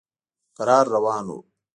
کرار روان و.